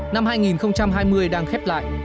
năm hai nghìn hai mươi đang khép lại